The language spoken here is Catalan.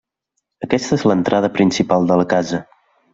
Aquesta és l'entrada principal de la casa.